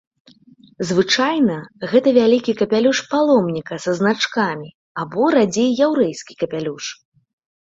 Звычайна гэта вялікі капялюш паломніка са значкамі або, радзей, яўрэйскі капялюш.